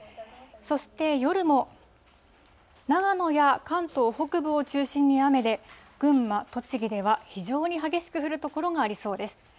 そして夜も、長野や関東北部を中心に雨で、群馬、栃木では非常に激しく降る所がありそうです。